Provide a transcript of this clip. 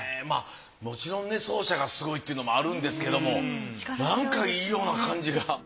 まあもちろんね奏者がすごいっていうのもあるんですけどもなんかいいような感じが。